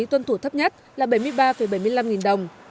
tuân thủ thấp nhất là bảy mươi ba bảy mươi năm nghìn đồng